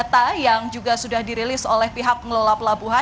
data yang juga sudah dirilis oleh pihak pengelola pelabuhan